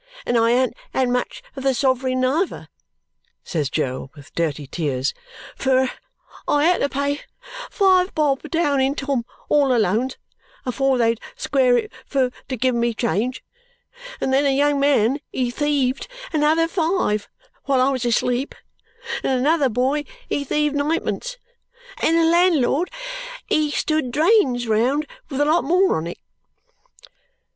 And I an't had much of the sov'ring neither," says Jo, with dirty tears, "fur I had to pay five bob, down in Tom all Alone's, afore they'd square it fur to give me change, and then a young man he thieved another five while I was asleep and another boy he thieved ninepence and the landlord he stood drains round with a lot more on it."